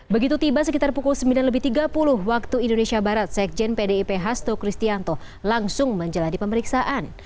begitu tiba sekitar pukul sembilan tiga puluh waktu indonesia barat sekjen pdip hasto kristianto langsung menjelani pemeriksaan